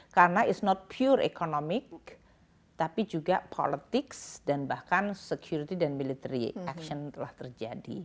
karena it s not pure economic tapi juga politics dan bahkan security dan military action telah terjadi